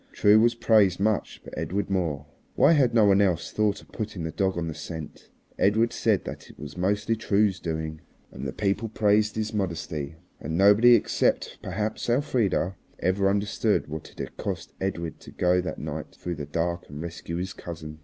True was praised much, but Edred more. Why had no one else thought of putting the dog on the scent? Edred said that it was mostly True's doing. And the people praised his modesty. And nobody, except perhaps Elfrida, ever understood what it had cost Edred to go that night through the dark and rescue his cousin.